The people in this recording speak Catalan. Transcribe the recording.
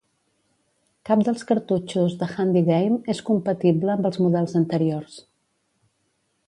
Cap dels cartutxos de HandyGame és compatible amb els models anteriors.